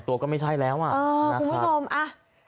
ตัวก็ไม่ใช่แล้วอ่ะนะคุณผู้ชมอ่ะ